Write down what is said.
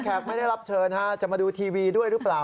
ไม่ได้รับเชิญจะมาดูทีวีด้วยหรือเปล่า